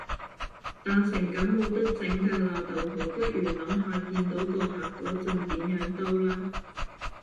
爛成咁冇得整架喇，不如諗下見到個客嗰陣點樣兜啦